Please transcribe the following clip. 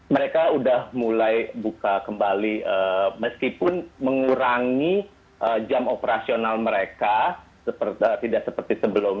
mereka sudah mulai buka kembali meskipun mengurangi jam operasional mereka tidak seperti sebelumnya